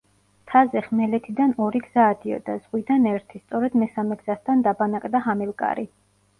მთაზე ხმელეთიდან ორი გზა ადიოდა, ზღვიდან ერთი, სწორედ მესამე გზასთან დაბანაკდა ჰამილკარი.